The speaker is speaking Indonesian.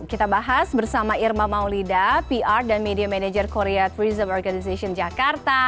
kita bahas bersama irma maulida pr dan media manager korea tourism organization jakarta